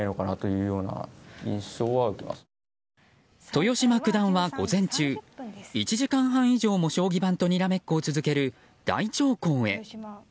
豊島九段は午前中１時間半以上も将棋盤とにらめっこを続ける大長考へ。